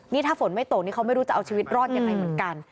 นี่ถ้าฝนไม่ตกนี่เขาไม่รู้จะเอาชีวิตรอดยังไงเหมือนกัน